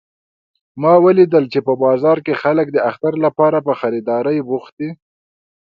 ما ولیدل چې په بازار کې خلک د اختر لپاره په خریدارۍ بوخت دي